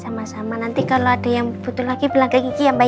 sama sama nanti kalau ada yang butuh lagi bilang ke kiki ya mbak ya